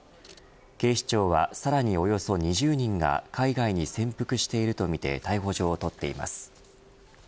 警視庁は、さらにおよそ２０人が海外に潜伏しているとみて逮捕状を取っています。